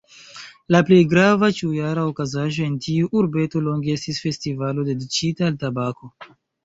La plej grava, ĉiujara okazaĵo en tiu urbeto longe estis festivalo dediĉita al tabako.